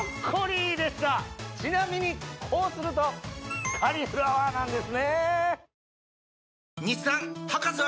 ちなみにこうするとカリフラワーなんですね！